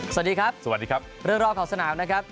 สวัสดีครับสวัสดีครับเรื่องรอบของสนามนะครับ